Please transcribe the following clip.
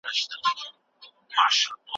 د پښتو ادبیاتو وده زموږ مسوولیت دئ.